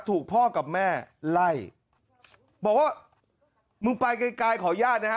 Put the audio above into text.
ถูกพ่อกับแม่ไล่บอกว่ามึงไปไกลไกลขออนุญาตนะฮะ